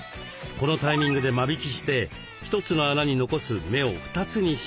このタイミングで間引きして一つの穴に残す芽を２つにします。